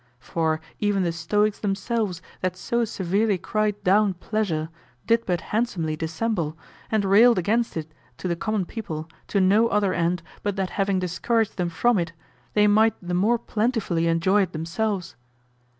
For even the Stoics themselves that so severely cried down pleasure did but handsomely dissemble, and railed against it to the common people to no other end but that having discouraged them from it, they might the more plentifully enjoy it themselves.